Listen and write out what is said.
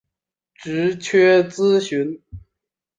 职缺资讯